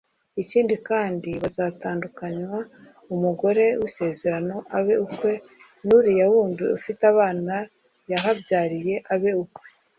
Ikindi kandi bazatandukanywa umugore w’isezerano abe ukwe n’uriya wundi ufite abana yahabyariye abe ukwe